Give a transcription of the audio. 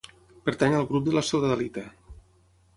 Pertany al grup de la sodalita.